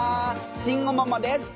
慎吾ママです。